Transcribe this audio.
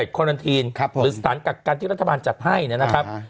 คอรันทีนครับผมหรือสถานการณ์ที่รัฐบาลจัดให้เนี้ยนะครับ